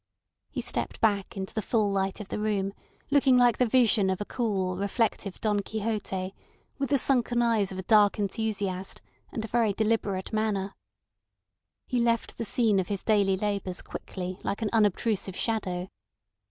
He stepped back into the full light of the room, looking like the vision of a cool, reflective Don Quixote, with the sunken eyes of a dark enthusiast and a very deliberate manner. He left the scene of his daily labours quickly like an unobtrusive shadow.